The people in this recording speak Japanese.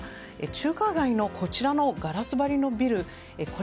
中華街のこちらのガラス張りのビル。